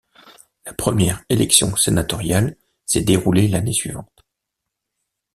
La première élection sénatoriale s'est déroulé l'année suivante.